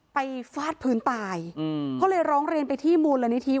ไปฟาดพื้นตายอืมเขาเลยร้องเรียนไปที่มูลละนิที